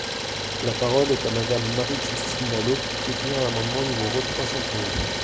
La parole est à Madame Marie-Christine Dalloz, pour soutenir l’amendement numéro trois cent treize.